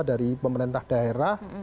dari pemerintah daerah